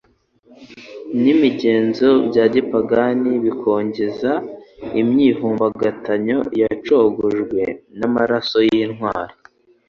n'imigenzo bya gipagani bikongeza imyivumbagatanyo yacogojwe n'amaraso y'intwari